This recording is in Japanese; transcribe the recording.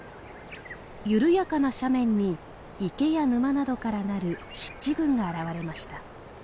緩やかな斜面に池や沼などからなる湿地群が現れました。